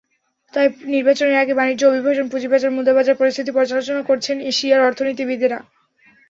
তাই নির্বাচনের আগে বাণিজ্য, অভিবাসন, পুঁজিবাজার, মুদ্রাবাজার পরিস্থিতি পর্যালোচনা করছেন এশিয়ার অর্থনীতিবিদেরা।